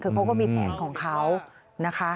คือเขาก็มีแผนของเขานะคะ